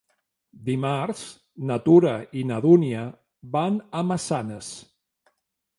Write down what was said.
Dimarts na Tura i na Dúnia van a Massanes.